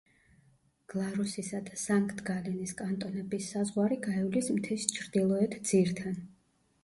გლარუსისა და სანქტ-გალენის კანტონების საზღვარი გაივლის მთის ჩრდილოეთ ძირთან.